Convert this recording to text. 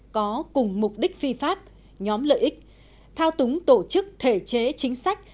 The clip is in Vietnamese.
có cùng mục đích phi pháp nhóm lợi ích thao túng tổ chức thể chế chính sách